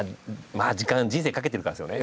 時間人生かけてるからですよね。